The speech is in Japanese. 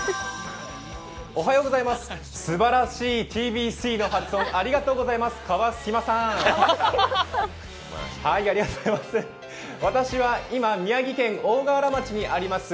すばらしいティービースィーの発音、ありがとうございます。